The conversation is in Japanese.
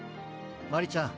マリちゃん